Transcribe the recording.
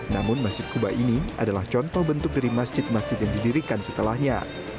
namun masjid kuba ini adalah contoh bentuk dari masjid masjid yang didirikan setelahnya